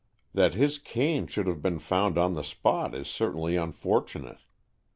That his cane should have been found on the spot is certainly unfortunate.